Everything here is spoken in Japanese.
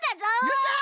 よっしゃ！